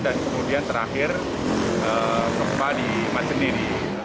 dan kemudian terakhir gempa di majeneh